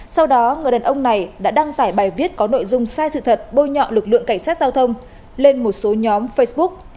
sau đó người đàn ông này đã đăng tải bài viết có nội dung sai sự thật bôi nhọ lực lượng cảnh sát giao thông lên một số nhóm facebook